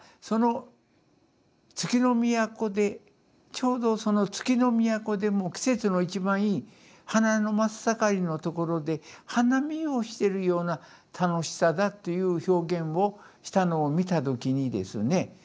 その月の都でちょうどその月の都でも季節の一番いい花の真っ盛りのところで花見をしてるような楽しさだという表現をしたのを見た時にですね